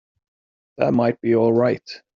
That might be all right.